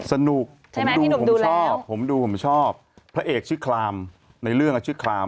สนุกผมดูผมชอบพระเอกชื่อคลามในเรื่องชื่อคลาม